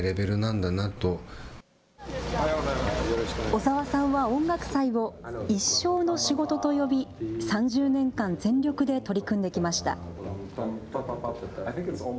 小澤さんは音楽祭を一生の仕事と呼び、３０年間全力で取り組んできました。